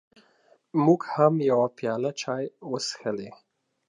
موږ هم یوه پیاله چای وڅښلې.